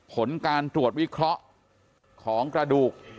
ผลการตรวจวิเคราะห์ของกระดูก